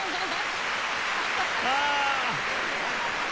ああ！